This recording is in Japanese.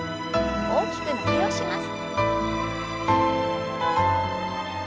大きく伸びをします。